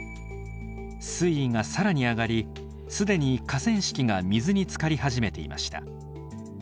水位が更に上がり既に河川敷が水につかり始めていました。